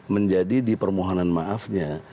menjadi di permohonan maafnya